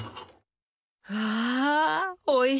わあおいしそう！